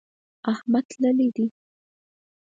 احمد تللی دی.